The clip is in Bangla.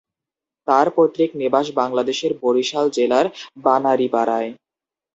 তার পৈতৃক নিবাস বাংলাদেশের বরিশাল জেলার বানারীপাড়ায়।